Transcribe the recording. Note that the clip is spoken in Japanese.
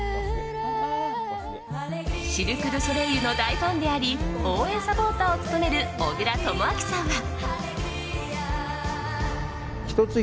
シルク・ドゥ・ソレイユの大ファンであり応援サポーターを務める小倉智昭さんは。